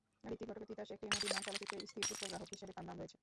ঋতিক ঘটকের তিতাস একটি নদীর নাম চলচ্চিত্রে স্থিরচিত্রগ্রাহক হিসেবে তাঁর নাম রয়েছে।